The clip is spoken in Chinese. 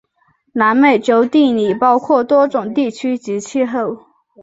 南美洲地理包括多种地区及气候。